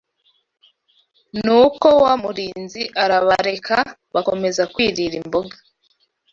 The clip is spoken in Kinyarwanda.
Nuko wa murinzi arabareka bakomeza kwirira imboga